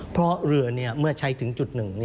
เพราะเรือเมื่อใช้ถึงจุดหนึ่ง